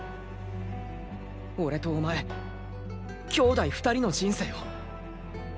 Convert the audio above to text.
俺とお前兄弟２人の人生を。